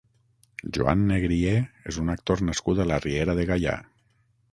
Joan Negrié és un actor nascut a la Riera de Gaià.